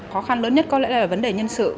khó khăn lớn nhất có lẽ là vấn đề nhân sự